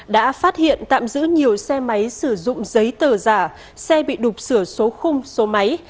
đã phát hiện tạm giữ nhiều xe máy sử dụng giấy tờ giả xe bị đục sửa số khung số máy